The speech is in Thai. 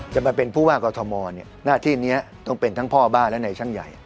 จะมาเป็นผู้ว่ากอทมหน้าที่นี้ต้องเป็นทั้งพ่อบ้านและในช่างใหญ่